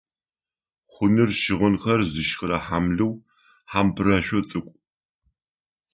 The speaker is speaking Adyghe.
Хъуныр - щыгъынхэр зышхырэ хьамлыу, хьампӏырэшъо цӏыкӏу.